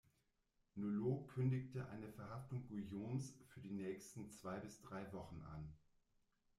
Nollau kündigte eine Verhaftung Guillaumes für die nächsten zwei bis drei Wochen an.